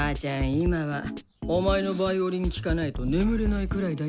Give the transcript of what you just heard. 今はお前のヴァイオリン聴かないと眠れないくらいだよ！